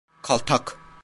Kaltak.